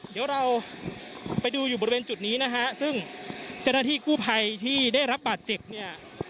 เดี๋ยวเราไปดูอยู่บริเวณจุดนี้นะฮะซึ่งเจ้าหน้าที่กู้ภัยที่ได้รับบาดเจ็บเนี่ย